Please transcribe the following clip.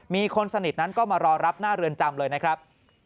มีคนสนิทนั้นก็มารอรับหน้าเรือนจำเลยนะครับ